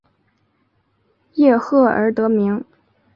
叶赫而得名。